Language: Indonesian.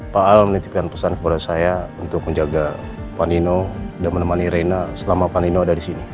pak al menitipkan pesan kepada saya untuk menjaga panino dan menemani reina selama panino ada di sini